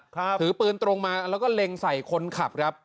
ถือปืนตรงมาแล้วก็เล็งใส่คนขับครับ